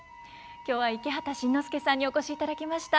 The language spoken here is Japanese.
今日は池畑慎之介さんにお越しいただきました。